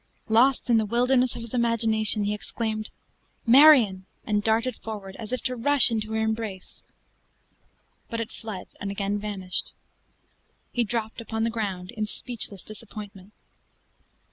Lost in the wilderness of his imagination, he exclaimed, "Marion!" and darted forward, as if to rush into her embrace. But it fled, and again vanished. He dropped upon the ground in speechless disappointment.